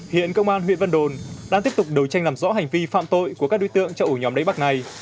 hiện công an huyện vân đồn đang tiếp tục đối tranh làm rõ hành vi phạm tội của các đối tượng cho ủi nhóm đánh bạc này